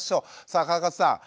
さあ川勝さん。